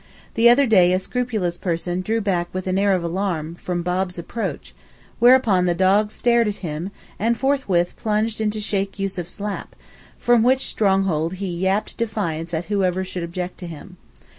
The other day a scrupulous person drew back with an air of alarm from Bob's approach, whereupon the dog stared at him, and forthwith plunged into Sheykh Yussuf's lap, from which stronghold he 'yapped' defiance at whoever should object to him.